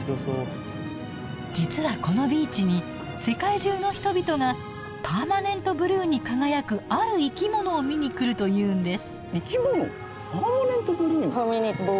実はこのビーチに世界中の人々がパーマネントブルーに輝くある生き物を見に来るというんです。